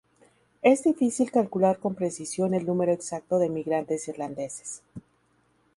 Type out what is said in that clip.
Es difícil calcular con precisión el número exacto de inmigrantes irlandeses.